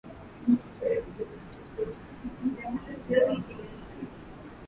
kushughulikia matatizo ya uchafuzi wa hewa ya kawaida na yanayofanana